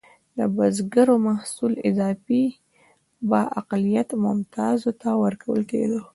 د بزګرو محصول اضافي به اقلیت ممتازو ته ورکول کېده.